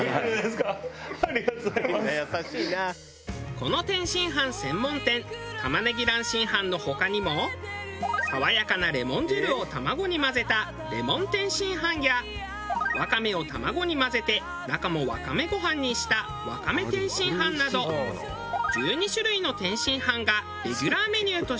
この天津飯専門店玉ねぎ卵津飯の他にも爽やかなレモン汁を卵に混ぜたレモン天津飯やわかめを卵に混ぜて中もわかめご飯にしたわかめ天津飯など１２種類の天津飯がレギュラーメニューとして存在。